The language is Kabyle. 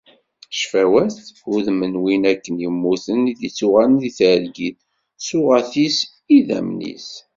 Cfawat, udem n winn akken immuten i d-yetuɣalen di targit, ssuɣat-is, idammen-is.